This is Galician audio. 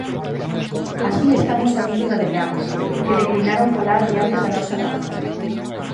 Así están os amigos de Adrián, que declinaron falar diante da nosa cámara.